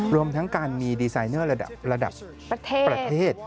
รวมทั้งการมีดีไซเนอร์ระดับประเทศ